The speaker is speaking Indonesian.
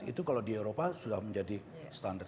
itu kalau di eropa sudah menjadi standar